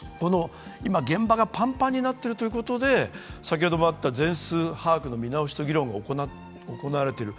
現場がパンパンになっているということで、先ほどもあった全数把握の見直しの議論が行われている。